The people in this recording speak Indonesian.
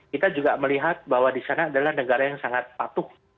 kita juga melihat bahwa di sana adalah negara yang sangat patuh